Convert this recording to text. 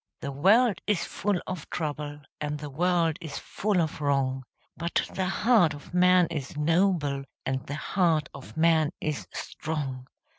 The world is full of trouble, And the world is full of wrong, But the heart of man is noble, And the heart of man is strong!